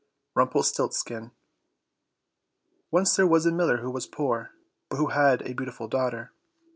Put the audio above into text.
55 Rumpelstiltskin Once there was a miller who was poor, but who had a beautiful daughter.